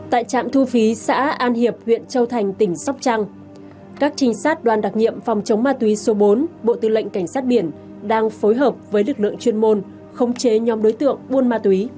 tại trạm thu phí xã an hiệp huyện châu thành tỉnh sóc trăng các trình sát đoàn đặc nhiệm phòng chống ma túy số bốn bộ tư lệnh cảnh sát biển đang phối hợp với lực lượng chuyên môn khống chế nhóm đối tượng buôn ma túy